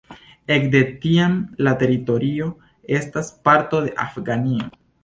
Ekde tiam la teritorio estas parto de Afganio.